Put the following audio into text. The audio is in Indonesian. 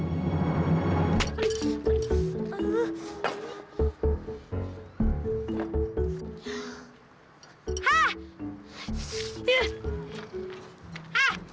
jauh jauh jauh